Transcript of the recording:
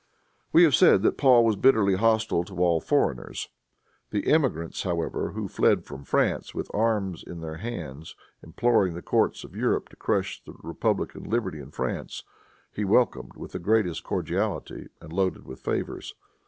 We have said that Paul was bitterly hostile to all foreigners. The emigrants, however, who fled from France, with arms in their hands, imploring the courts of Europe to crush republican liberty in France, he welcomed with the greatest cordiality and loaded with favors.